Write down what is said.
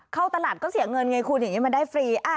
เข้าตลาดก็เสียเงินไงคุณอย่างนี้มาได้ฟรี